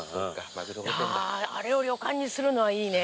あれを旅館にするのはいいね。